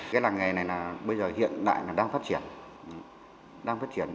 cái làng nghề này bây giờ hiện đại là đang phát triển